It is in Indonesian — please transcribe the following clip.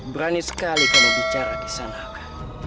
berani sekali kamu bicara di sana haka